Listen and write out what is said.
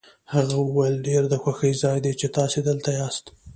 هغه وویل ډېر د خوښۍ ځای دی چې تاسي دلته یاست.